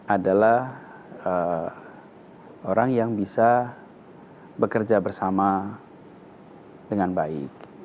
adalah orang yang bisa bekerja bersama dengan baik